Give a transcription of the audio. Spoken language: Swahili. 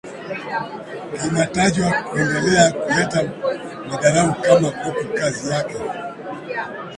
kinatajwa kuendelea kuleta madhara makubwa huku kazi yake